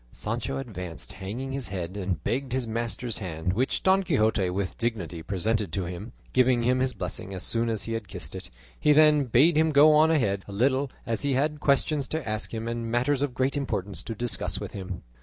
Sancho advanced hanging his head and begged his master's hand, which Don Quixote with dignity presented to him, giving him his blessing as soon as he had kissed it; he then bade him go on ahead a little, as he had questions to ask him and matters of great importance to discuss with him.